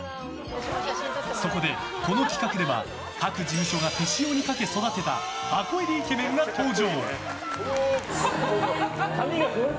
そこで、この企画では各事務所が手塩にかけ育てた箱入りイケメンが登場。